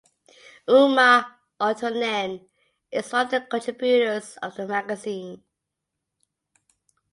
Uma Aaltonen is one of the contributors of the magazine.